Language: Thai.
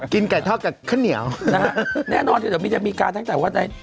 ไก่ทอดกับข้าวเหนียวนะฮะแน่นอนเดี๋ยวมันจะมีการตั้งแต่ว่าใน